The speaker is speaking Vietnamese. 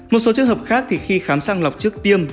một số trường hợp khác thì khi khám sang lọc trước tiêm